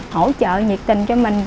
hỗ trợ nhiệt tình cho mình